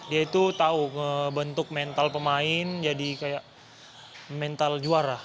dia itu tahu bentuk mental pemain jadi kayak mental juara